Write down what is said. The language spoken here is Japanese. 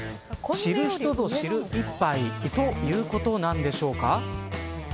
知る人ぞ知る一杯ということなんでしょうか。